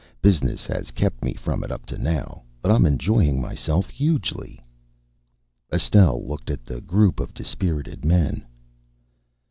Business has kept me from it up to now, but I'm enjoying myself hugely." Estelle looked at the group of dispirited men.